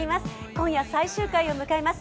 今夜最終回を迎えます